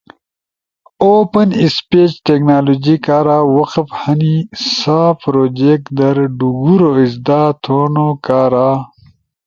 وپن اسپیچ ٹیکنالوجی کارا وقف ہنی۔ سا پروجیکٹ در ڈوگورو ازدا تھونوکارا